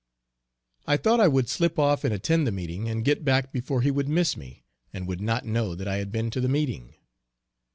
I thought I would slip off and attend the meeting and get back before he would miss me, and would not know that I had been to the meeting.